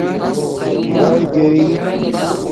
رای گئ